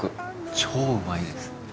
超うまいです。